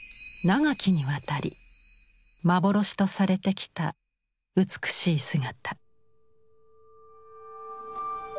長きにわたり幻とされてきた美しい姿。